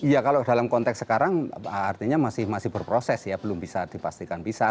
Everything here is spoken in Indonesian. iya kalau dalam konteks sekarang artinya masih berproses ya belum bisa dipastikan bisa